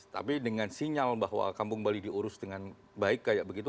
tapi dengan sinyal bahwa kampung bali diurus dengan baik kayak begitu